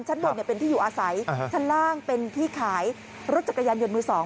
ชั้นบนเป็นที่อยู่อาศัยชั้นล่างเป็นที่ขายรถจักรยานยนต์มือสอง